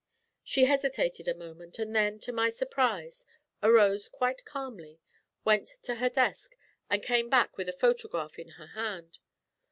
She hesitated a moment, and then, to my surprise, arose quite calmly, went to her desk, and came back with a photograph in her hand.